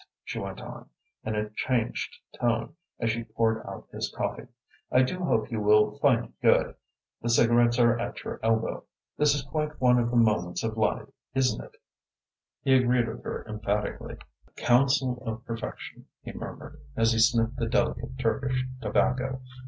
she went on, in a changed tone, as she poured out his coffee. "I do hope you will find it good. The cigarettes are at your elbow. This is quite one of the moments of life, isn't it?" He agreed with her emphatically. "A counsel of perfection," he murmured, as he sniffed the delicate Turkish tobacco.